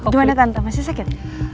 gimana tante masih sakit